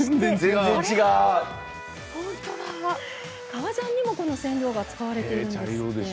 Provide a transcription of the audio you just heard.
革ジャンにもこの染料が使われているんです。